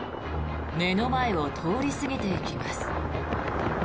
目の前を通り過ぎていきます。